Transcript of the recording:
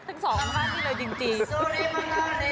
ทั้งสองคนพากี้เลยจริง